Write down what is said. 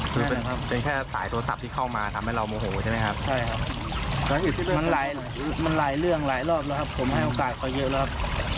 คือเป็นแค่สายโทรศัพท์ที่เข้ามาทำให้เรามโมโหใช่ไหมครับ